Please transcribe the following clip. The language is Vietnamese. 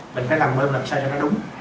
mình phải làm bơm làm sao cho nó đúng